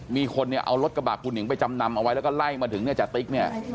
มีคนเนี่ยเอารถกระบะปูหิงไปจำนำเอาไว้แล้วก็ไล่มาถึงเนี่ยจติ๊กเนี่ย